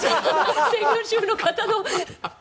専業主婦の方の。